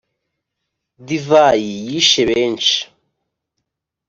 divayi yishe benshi.